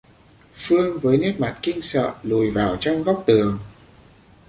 Phương với nét mặt kinh sợ lùi vào trong góc tường